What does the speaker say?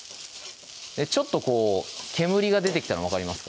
ちょっとこう煙が出てきたの分かりますか？